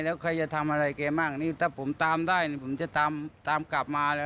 แล้วใครจะทำอะไรแกบ้างนี่ถ้าผมตามได้ผมจะตามกลับมาแล้ว